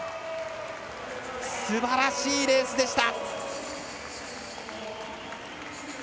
すばらしいレースでした。